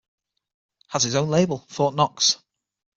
Has his own label, Fortknox.